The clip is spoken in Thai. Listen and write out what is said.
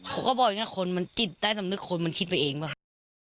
เขาก็บอกอย่างนี้คนมันจิตใต้สำนึกคนมันคิดไปเองป่ะ